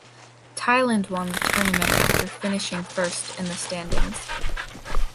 Thailand won the tournament after finishing first in the standings.